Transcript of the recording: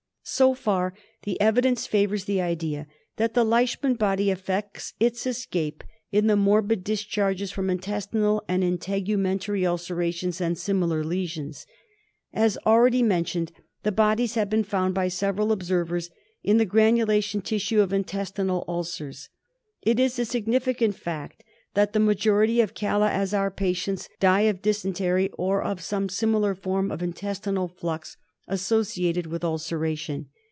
So far the evidence favours the idea that the Leish : man body effects its escape in the morbid discharges from ' intestinal and integumental ulcerations and similar lesions. As already mentioned, the bodies have been found by several observers in the granulation tissue of intestinal • ulcers. It is a significant fact that the majority of Kala Azar patients die of dysentery, or of some similar . form of intestinal flux associated with ulceration.